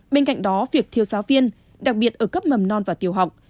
bên cạnh đó việc thiêu giáo viên đặc biệt ở cấp mầm non và tiêu học